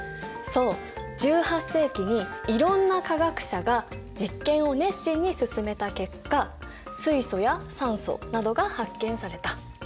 そう１８世紀にいろんな化学者が実験を熱心に進めた結果水素や酸素などが発見された。